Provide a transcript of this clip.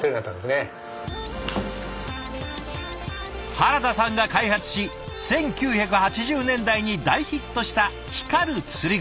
原田さんが開発し１９８０年代に大ヒットした光る釣り具。